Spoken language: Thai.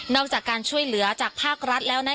จากการช่วยเหลือจากภาครัฐแล้ว